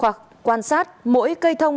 hoặc quan sát mỗi cây thông